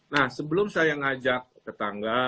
nah sebelum saya ngajak tetangga